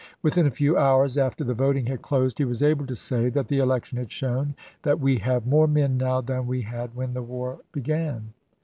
Within a few hours after the voting had closed he was able to say that the election had shown that " we have more men now than we had when the war began."